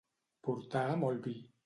Portar molt vi.